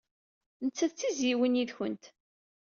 Nettat d tizzyiwin yid-went.